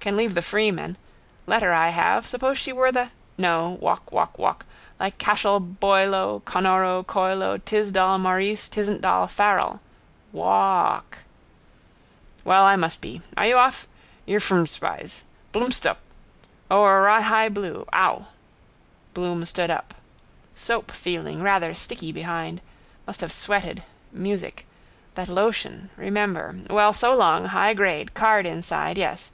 Can leave that Freeman. Letter I have. Suppose she were the? No. Walk, walk, walk. Like Cashel Boylo Connoro Coylo Tisdall Maurice Tisntdall Farrell. Waaaaaaalk. Well, I must be. Are you off? Yrfmstbyes. Blmstup. O'er ryehigh blue. Ow. Bloom stood up. Soap feeling rather sticky behind. Must have sweated: music. That lotion, remember. Well, so long. High grade. Card inside. Yes.